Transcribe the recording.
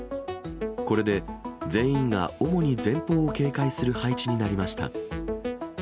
これで全員が主に前方を警戒する配置になりました。